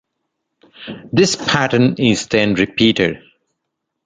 This pattern is then repeated.